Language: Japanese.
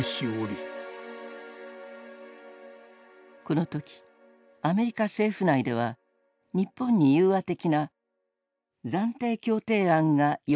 この時アメリカ政府内では日本に宥和的な「暫定協定案」が用意されていた。